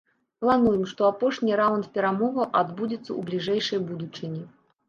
Плануем, што апошні раўнд перамоваў адбудзецца ў бліжэйшай будучыні.